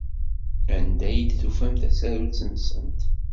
Anda ay d-ufant tasarut-nsent?